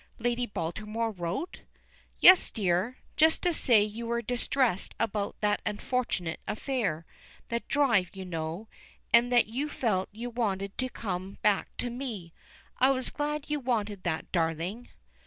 "Lady Baltimore wrote?" "Yes, dear. Just to say you were distressed about that unfortunate affair that drive, you know and that you felt you wanted to come back to me. I was glad you wanted that, darling."